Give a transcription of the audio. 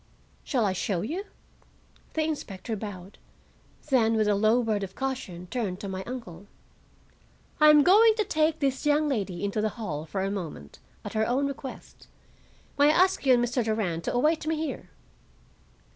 "Shall I show you?" The inspector bowed, then with a low word of caution turned to my uncle. "I am going to take this young lady into the hall for a moment, at her own request. May I ask you and Mr. Durand to await me here?"